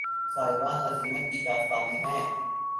صاحبان عزیمت کی داستانیں ہیں